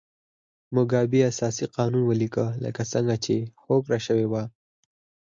موګابي اساسي قانون ولیکه لکه څنګه چې هوکړه شوې وه.